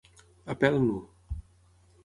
A pèl nu.